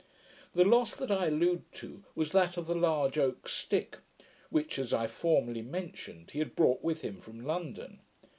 The loss that I allude to was that of the large oak stick, which, as I formerly mentioned, he had brought with him from London.